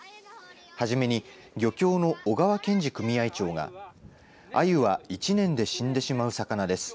初めに漁協の小川憲治組合長があゆは１年で死んでしまう魚です。